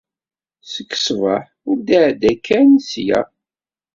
Seg ṣṣbaḥ, ur d-iɛedda Ken seg-a.